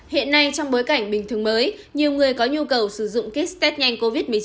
hiện nay trong bối cảnh bình thường mới nhiều người có nhu cầu sử dụng kích stst nhanh covid một mươi chín